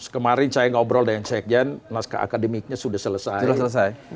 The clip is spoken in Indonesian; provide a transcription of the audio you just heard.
kemarin saya ngobrol dengan sekjen naskah akademiknya sudah selesai